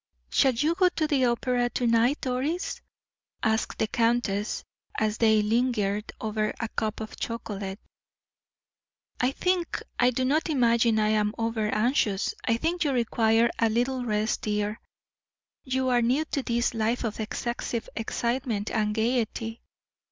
"Shall you go to the opera to night, Doris?" asked the countess, as they lingered over a cup of chocolate. "I think do not imagine I am over anxious I think you require a little rest, dear. You are new to this life of excessive excitement and gayety."